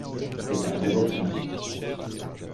C’est un vrai boxon.